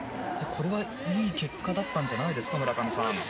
これはいい結果だったんじゃないですか？